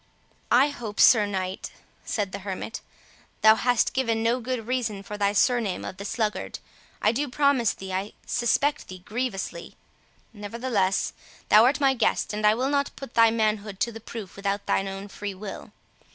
"I hope, Sir Knight," said the hermit, "thou hast given no good reason for thy surname of the Sluggard. I do promise thee I suspect thee grievously. Nevertheless, thou art my guest, and I will not put thy manhood to the proof without thine own free will.